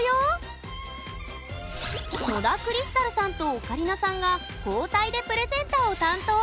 野田クリスタルさんとオカリナさんが交代でプレゼンターを担当。